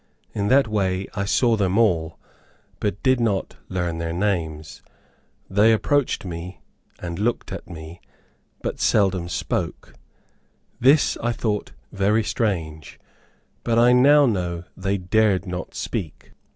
In that way I saw them all, but did not learn their names. They approached me and looked at me, but seldom spoke. This I thought very strange, but I now know they dared not speak.